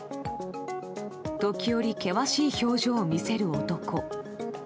時折険しい表情を見せる男。